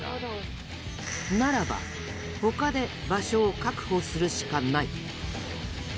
ならば他で場所を確保するしかない。